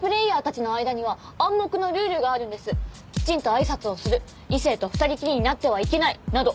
きちんとあいさつをする異性と２人きりになってはいけないなど。